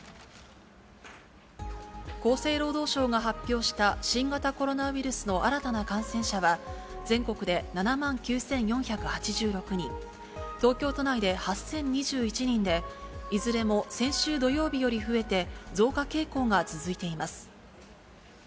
厚生労働省が発表した新型コロナウイルスの新たな感染者は、全国で７万９４８６人、東京都内で８０２１人で、いずれも先週土曜日より増えて、増加傾向が続いています。